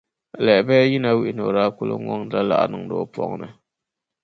Lahabaya yina wuhi ni o daa kuli ŋɔŋdila laɣ'fu niŋdi o pɔŋ'ni.